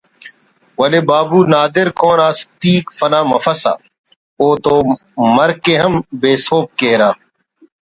ولے بابو نادر کون آ ہستیک فنا مفسہ اوتو مرک ءِ ہم بے سہب کیرہ